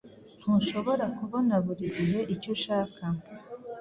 Ntushobora kubona buri gihe icyo ushaka.